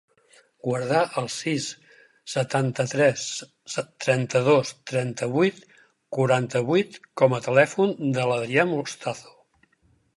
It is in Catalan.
Guarda el sis, setanta-tres, trenta-dos, trenta-vuit, quaranta-vuit com a telèfon de l'Adrià Mostazo.